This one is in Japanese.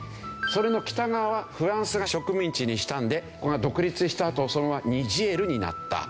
それの北側はフランスが植民地にしたんでここが独立したあとそのままニジェールになった。